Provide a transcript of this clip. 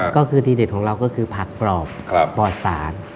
ก็คือทีเด็ดของเราก็คือผักกรอบปลอดสาร